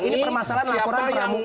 ini permasalahan laporan pramuka